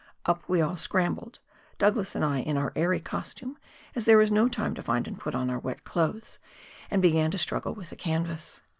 Up we all scrambled, Douglas and I in our airy costume, as there was no time to find and put on our wet clothes, and began to struggle with the canvas.